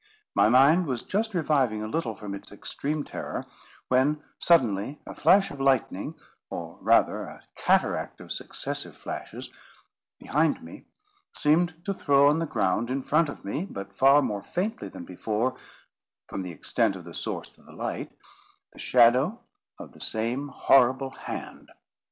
My mind was just reviving a little from its extreme terror, when, suddenly, a flash of lightning, or rather a cataract of successive flashes, behind me, seemed to throw on the ground in front of me, but far more faintly than before, from the extent of the source of the light, the shadow of the same horrible hand.